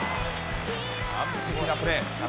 完璧なプレー。